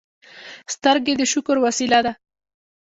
سترګې د شکر وسیله ده